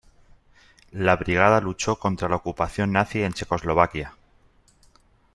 La brigada luchó contra la ocupación Nazi en Checoslovaquia.